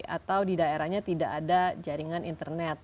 atau di daerahnya tidak ada jaringan internet